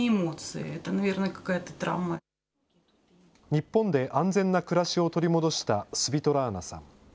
日本で安全な暮らしを取り戻したスヴィトラーナさん。